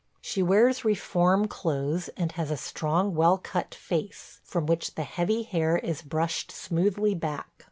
She wears "reform" clothes, and has a strong, well cut face, from which the heavy hair is brushed smoothly back.